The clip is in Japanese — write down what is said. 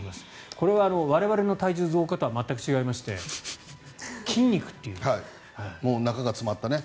これは我々の体重増加とは全く違いまして中が詰まったね。